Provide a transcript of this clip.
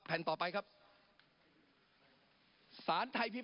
ปรับไปเท่าไหร่ทราบไหมครับ